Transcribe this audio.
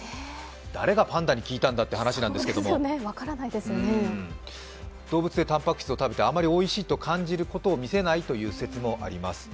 誰がパンダに聞いたんだって話なんですけれども、動物で、たんぱく質を食べてあまりおいしいと感じるところを見せないという説もあります。